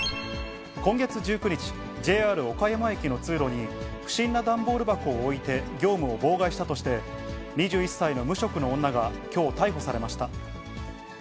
今月１９日、ＪＲ岡山駅の通路に、不審な段ボール箱を置いて、業務を妨害したとして、２１歳の無職の女がきょう、逮捕されました。